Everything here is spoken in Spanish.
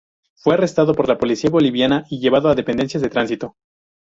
Fue arrestado por la policía boliviana y llevado a dependencias de tránsito.